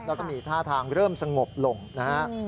แล้วก็มีท่าทางเริ่มสงบลงนะฮะ